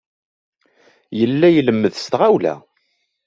Yella ilemmed s tɣawla.